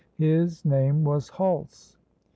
His name was Hulse.